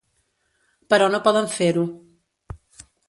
Però no poden fer-ho.